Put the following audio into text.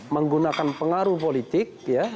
menggunakan pengaruh politik